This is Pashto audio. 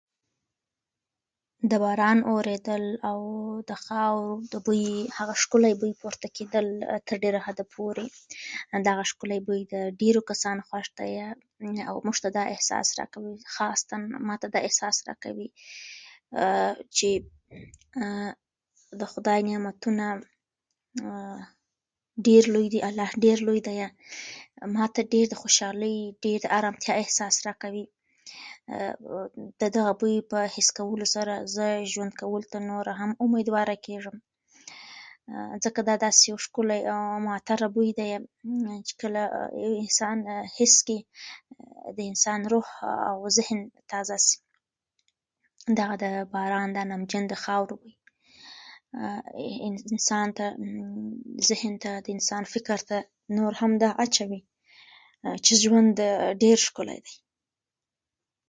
موږ وويل چې ورځ ښه ده، خو ورځ دومره ښه نه وه لکه څنګه چې موږ ويل.